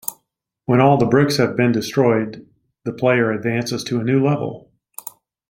When all the bricks have been destroyed, the player advances to a new level.